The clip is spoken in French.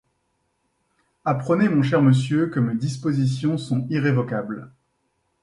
Apprenez, mon cher monsieur, que mes dispositions sont irrévocables.